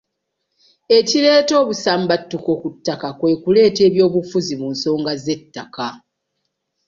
Ekireeta obusambattuko ku ttaka kwe kuleeta ebyobufuzi mu nsonga z’ettaka.